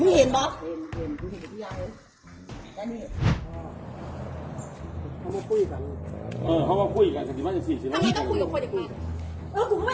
อาหารที่สุดท้าย